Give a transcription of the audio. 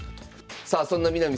さあそんな南先生